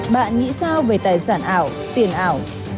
bạn nghĩ sao về tài sản ảo tiền ảo